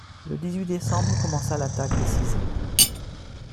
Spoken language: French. Le dix-huit décembre commença l'attaque décisive.